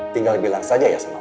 tinggal bilang saja ya sama aku